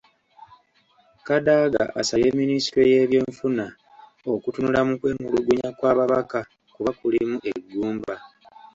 Kadaga asabye Minisitule y'ebyenfuna okutunula mu kwemulugunya kw'ababaka kuba kulimu eggumba.